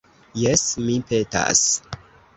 Jes, mi petas.